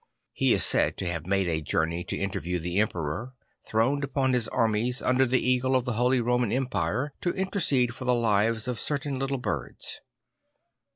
He is said to have made a journey to interview the Emperor, throned among his armies under the eagle of the Holy Roman Empire, to intercede for the lives of certain little birds.